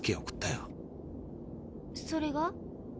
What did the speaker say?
それが？